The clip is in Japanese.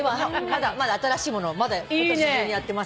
まだ新しいものを今年中にやってます